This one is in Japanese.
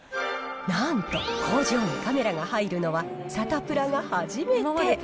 なんと、工場にカメラが入るのは、サタプラが初めて。